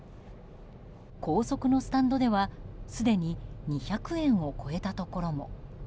高速のスタンドでは、すでに２００円を超えたところも。